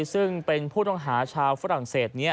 ซึ่งเป็นผู้ต้องหาชาวฝรั่งเศส